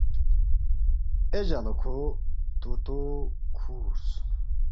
اے جق لہ کھو طوطو کُھورس